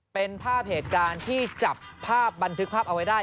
เป็นภาพเหตุการณ์ที่จับภาพบันทึกภาพเอาไว้ได้